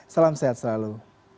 salam sehat selalu